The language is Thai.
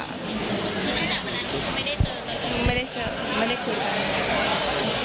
ไม่ได้คุยกัน